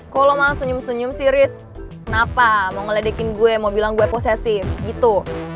kok lo mau senyum senyum sih riz kenapa mau ngeledekin gue mau bilang gue posesif gitu